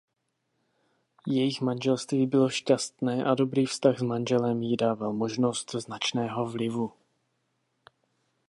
Jejich manželství bylo šťastné a dobrý vztah s manželem jí dával možnost značného vlivu.